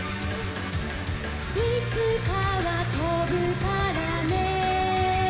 「いつかはとぶからね」